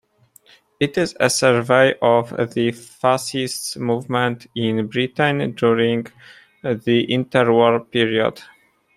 It is a survey of the fascist movements in Britain during the inter-war period.